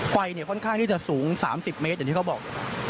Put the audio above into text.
ไฟค่อนข้างที่จะสูง๓๐เมตรอย่างที่เขาบอก